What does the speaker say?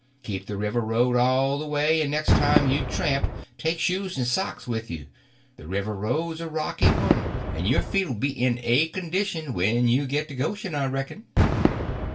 Keep the river road all the way, and next time you tramp take shoes and socks with you. The river road's a rocky one, and your feet'll be in a condition when you get to Goshen, I reckon."